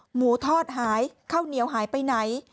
หมูทอดหายข้าวเหนียวหายไปไหน